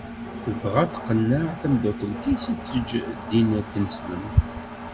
Tebɣa ad tqenneɛ tamdakelt-is ad teǧǧ ddin n tneslemt.